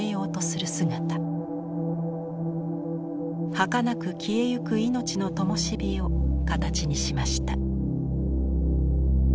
はかなく消えゆく命のともし火を形にしました。